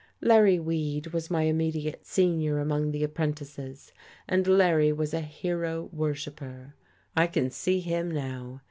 Larry Weed was my immediate senior among the apprentices, and Larry was a hero worshipper. I can see him now.